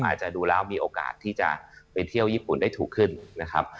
อาจจะดูแล้วมีโอกาสที่จะไปเที่ยวญี่ปุ่นได้ถูกขึ้นนะครับ